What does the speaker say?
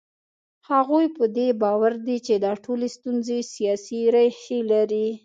هغوی په دې باور دي چې دا ټولې ستونزې سیاسي ریښې لري.